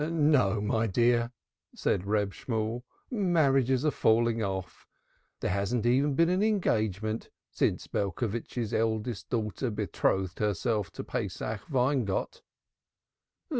"No, my dear," said Reb Shemuel, "marriages are falling off. There hasn't even been an engagement since Belcovitch's eldest daughter betrothed herself to Pesach Weingott."